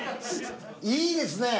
いいですね！